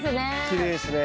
きれいですね。